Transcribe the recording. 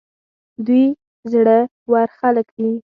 دوی زړه ور خلک دي.